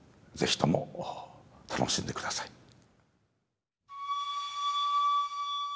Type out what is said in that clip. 是非とも楽しんでください。